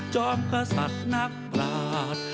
จอมกษัตริย์นักปราศ